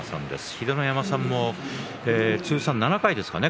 秀ノ山さんも通算７回ですかね